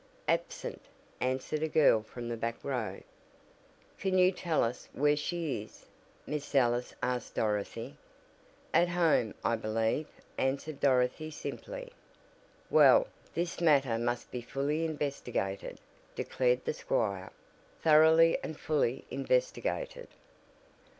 "Absent!" answered a girl from the back row. "Can you tell us where she is?" Miss Ellis asked Dorothy. "At home I believe," answered Dorothy simply. "Well, this matter must be fully investigated," declared the squire, "thoroughly and fully investigated.